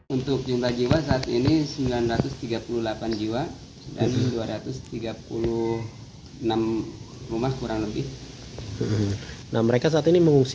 untuk jumlah jiwa saat ini sembilan ratus tiga puluh delapan jiwa dan dua ratus tiga puluh enam rumah kurang lebih mengungsi